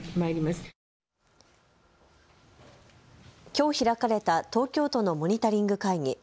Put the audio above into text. きょう開かれた東京都のモニタリング会議。